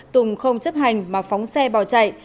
tùng không chấp hành mà phóng xe bò chạy